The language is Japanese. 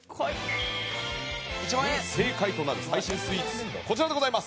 正解となる最新スイーツがこちらでございます。